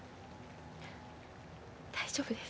大丈夫です。